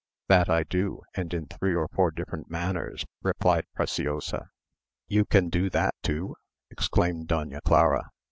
"That I do, and in three or four different manners," replied Preciosa. "You can do that too?" exclaimed Doña Clara.